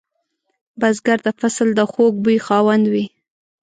بزګر د فصل د خوږ بوی خاوند وي